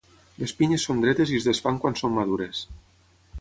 Les pinyes són dretes i es desfan quan són madures.